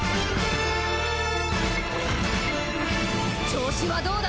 調子はどうだ？